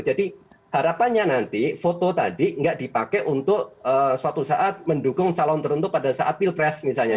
jadi harapannya nanti foto tadi tidak dipakai untuk suatu saat mendukung calon tertentu pada saat pilpres misalnya